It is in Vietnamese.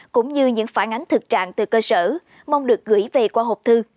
cũng như những phản ánh thực trạng từ cơ sở mong được gửi về qua hộp thư